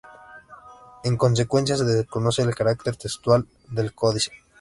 En consecuencia, se desconoce el carácter textual del códice.